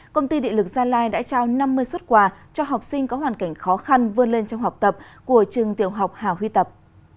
công ty điện lực gia lai đã trao năm mươi xuất quà cho học sinh có hoàn cảnh khó khăn vươn lên trong học tập của trường tiểu học hà huy tập